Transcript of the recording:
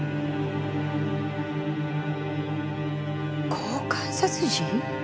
交換殺人？